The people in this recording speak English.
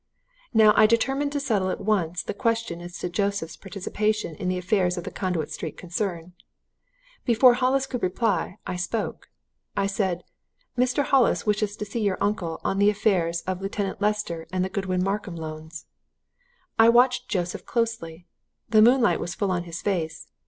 "Now I determined to settle at once the question as to Joseph's participation in the affairs of the Conduit Street concern. Before Hollis could reply, I spoke. I said, 'Mr. Hollis wishes to see your uncle on the affairs of Lieutenant Lester and the Godwin Markham loans.' I watched Joseph closely. The moonlight was full on his face.